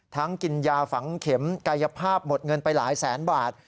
กินยาฝังเข็มกายภาพหมดเงินไปหลายแสนบาท